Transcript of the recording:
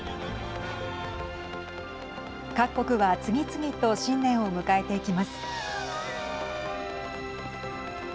各国は次々と新年を迎えていきます。